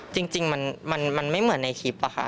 จริงมันไม่เหมือนในคลิปอะค่ะ